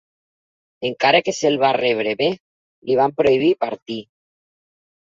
Encara que se'l va rebre bé, li van prohibir partir.